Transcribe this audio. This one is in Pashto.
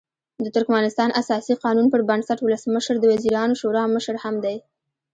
د ترکمنستان اساسي قانون پر بنسټ ولسمشر د وزیرانو شورا مشر هم دی.